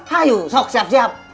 hayu sok siap siap